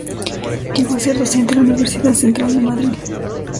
Llegó a ser docente en la Universidad Central de Madrid.